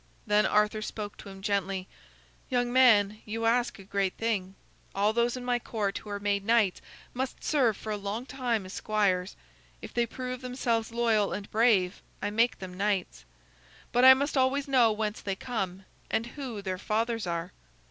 Then Arthur spoke to him gently: "Young man, you ask a great thing. All those in my Court who are made knights must serve for a long time as squires. If they prove themselves loyal and brave, I make them knights. But I must always know whence they come, and who their fathers are."